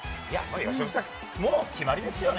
由伸さん、もう決まりですよね。